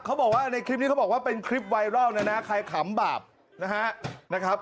เขาบอกว่าในคลิปนี้เขาบอกว่าเป็นคลิปไวรัลนะนะใครขำบาปนะครับ